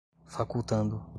facultando